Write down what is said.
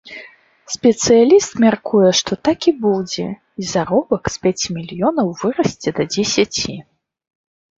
Спецыяліст мяркуе, што так і будзе, і заробак з пяці мільёнаў вырасце да дзесяці.